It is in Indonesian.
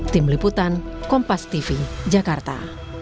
tim liputan kompas tv jakarta